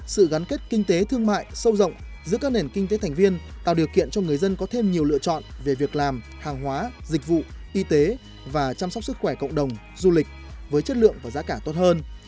sự gắn kết kinh tế thương mại sâu rộng giữa các nền kinh tế thành viên tạo điều kiện cho người dân có thêm nhiều lựa chọn về việc làm hàng hóa dịch vụ y tế và chăm sóc sức khỏe cộng đồng du lịch với chất lượng và giá cả tốt hơn